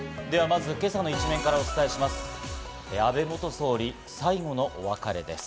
まずは、今朝の一面からお伝えします。